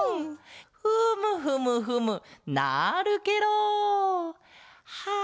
フムフムフムなるケロ！はあ